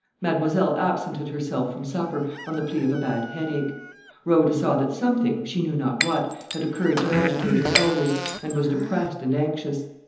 Mademoiselle absented herself from supper, on the plea of a bad headache. Rhoda saw that something, she knew not what, had occurred to agitate her elders, and was depressed and anxious.